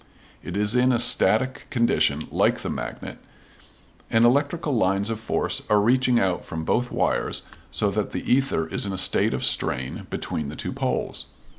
It is in a static condition, like the magnet, and electrical lines of force are reaching out from both wires so that the ether is in a state of strain between the two poles.